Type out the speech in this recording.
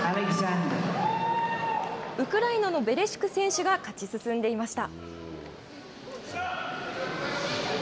ウクライナのベレシュク選手が勝ち進んでいました。